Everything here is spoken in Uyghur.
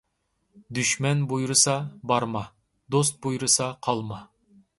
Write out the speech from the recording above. دۈشمەن بۇيرۇسا بارما، دوست بۇيرۇسا قالما.